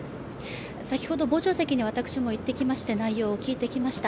先ほど、傍聴席に私も行ってきまして内容を聞いてきました。